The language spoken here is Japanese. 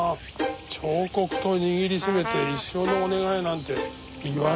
彫刻刀握りしめて「一生のお願い」なんて言われたらさ。